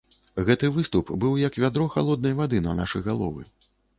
Гэты выступ быў як вядро халоднай вады на нашы галовы.